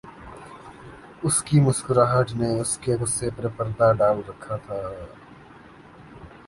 اُس کی مسکراہٹ نے اُس کے غصےپر پردہ ڈال رکھا تھا